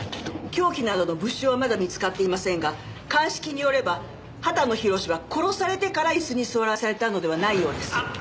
凶器などの物証はまだ見つかっていませんが鑑識によれば畑野宏は殺されてから椅子に座らされたのではないようです。